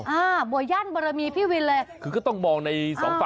บัวญั่นบรมีพี่วินเลย